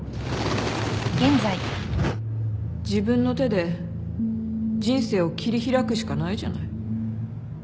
自分の手で人生を切り開くしかないじゃない。